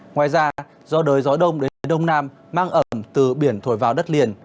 ngoài ra do đời gió đông đến phía đông nam mang ẩm từ biển thổi vào đất liền